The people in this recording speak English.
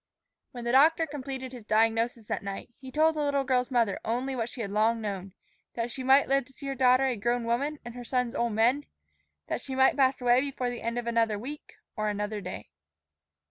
When the doctor completed his diagnosis that night, he told the little girl's mother only what she had long known: that she might live to see her daughter a grown woman and her sons old men; that she might pass away before the end of another week, or another day.